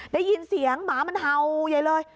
ได้ยินเสียงหมามันเห่าใหญ่เลย